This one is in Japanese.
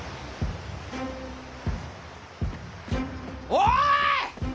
おい！